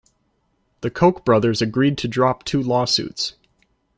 The Koch brothers agreed to drop two lawsuits.